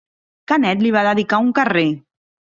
Canet li va dedicar un carrer.